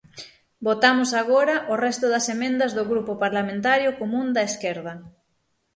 Votamos agora o resto das emendas do Grupo Parlamentario Común da Esquerda.